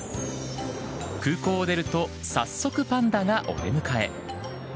空港を出ると、早速パンダがお出迎え。